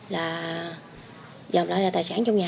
là dọc lại là tài sản trong nhà